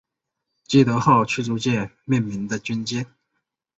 基德号驱逐舰命名的军舰。